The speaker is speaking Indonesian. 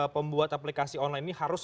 pembuat aplikasi online ini harus